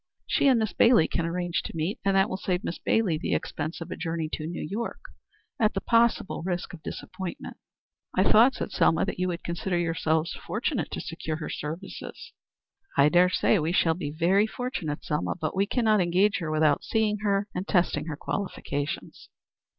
She and Miss Bailey can arrange to meet, and that will save Miss Bailey the expense of a journey to New York, at the possible risk of disappointment." "I thought," said Selma, "that you would consider yourselves fortunate to secure her services." "I dare say we shall be very fortunate, Selma. But we cannot engage her without seeing her and testing her qualifications."